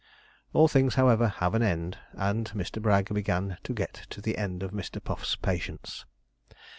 All things, however, have an end, and Mr. Bragg began to get to the end of Mr. Puff's patience.